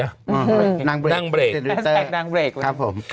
นางเบรกนางเรกนางเรกเลยครับผม